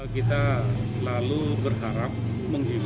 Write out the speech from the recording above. kita selalu berharap menghubungi